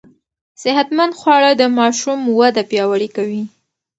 صحتمند خواړه د ماشوم وده پياوړې کوي.